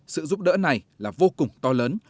sự giúp đỡ này là vô cùng to lớn